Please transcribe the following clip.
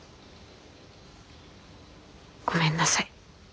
ごめんなさい。